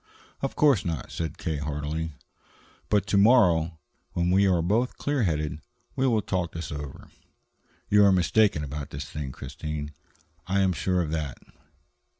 "Of course not," said K. heartily. "But to morrow, when we are both clear headed, we will talk this over. You are mistaken about this thing, Christine; I am sure of that.